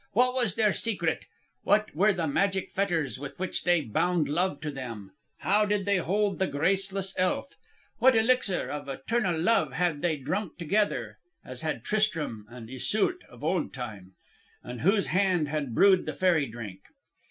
What was their secret? What were the magic fetters with which they bound Love to them? How did they hold the graceless elf? What elixir of eternal love had they drunk together as had Tristram and Iseult of old time? And whose hand had brewed the fairy drink?